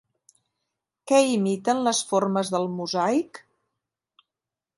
Què imiten les formes del mosaic?